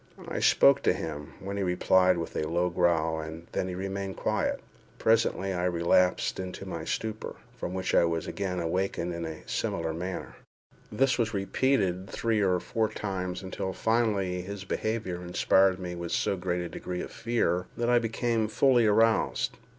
I spoke to him, when he replied with a low growl, and then remained quiet. Presently I relapsed into my stupor, from which I was again awakened in a similar manner. This was repeated three or four times, until finally his behaviour inspired me with so great a degree of fear, that I became fully aroused.